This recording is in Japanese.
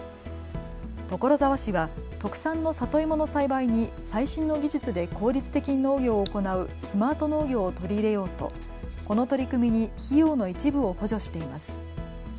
所沢市は特産の里芋の栽培に最新の技術で効率的に農業を行うスマート農業を取り入れようとこの取り組みに費用の一部を補助しています。